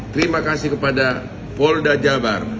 terima kasih kepada polda jabar